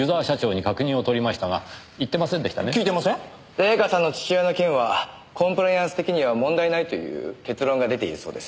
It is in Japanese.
礼夏さんの父親の件はコンプライアンス的には問題ないという結論が出ているそうです。